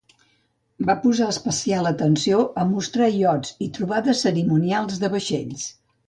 Va posar especial atenció a mostrar iots i trobades cerimonials de vaixells.